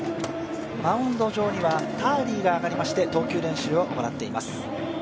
マウンド上にはターリーが上がりまして、投球練習を行っています。